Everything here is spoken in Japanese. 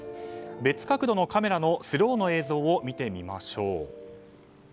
別角度のカメラのスローの映像を見てみましょう。